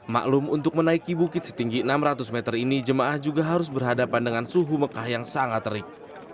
maklum untuk menaiki bukit setinggi enam ratus meter ini jemaah juga harus berhadapan dengan suhu mekah yang sangat terik